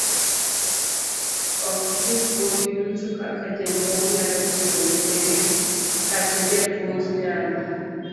Ok jopuonj duto kata jonyuol nyalo chulo nyithindgi kata japuonj nyalo